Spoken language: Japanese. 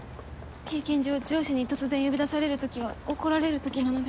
経験上上司に突然呼び出されるときは怒られるときなので。